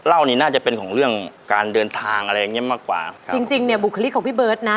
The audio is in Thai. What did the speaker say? นี้น่าจะเป็นของเรื่องการเดินทางอะไรอย่างเงี้ยมากกว่าจริงจริงเนี่ยบุคลิกของพี่เบิร์ตนะ